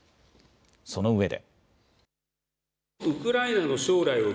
そのうえで。